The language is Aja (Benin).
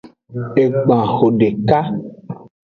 Egban hodeka.